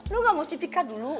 lu gak mau cipikat dulu